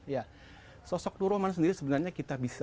ya sosok nur rohman sendiri sebenarnya kita bisa